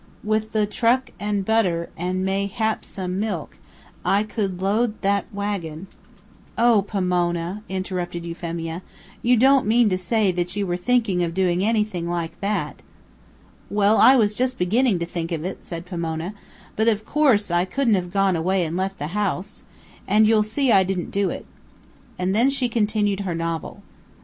With the truck and butter, and mayhap some milk, I could load that wagon " "O, Pomona," interrupted Euphemia. "You don't mean to say that you were thinking of doing anything like that?" "Well, I was just beginning to think of it," said Pomona, "but of course I couldn't have gone away and left the house. And you'll see I didn't do it." And then she continued her novel.